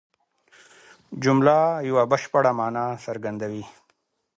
جمله یوه بشپړه مانا څرګندوي.